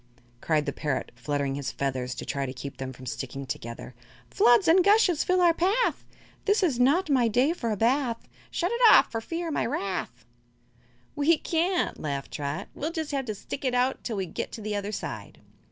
Cried the parrot, fluttering his feathers to try to keep them from sticking together: "Floods and gushes fill our path This is not my day for a bath! Shut it off, or fear my wrath." "We can't," laughed Trot. "We'll jus' have to stick it out till we get to the other side."